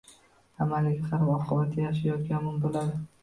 Amaliga qarab oqibati yaxshi yoki yomon bo‘ladi.